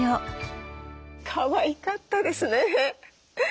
かわいかったですね。